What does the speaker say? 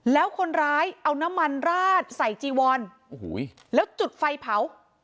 แล้วคนร้ายเอาน้ำมันราดใส่จีวอนโอ้โหแล้วจุดไฟเผา